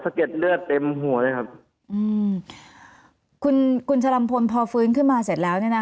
เก็ดเลือดเต็มหัวเลยครับอืมคุณคุณชะลัมพลพอฟื้นขึ้นมาเสร็จแล้วเนี่ยนะ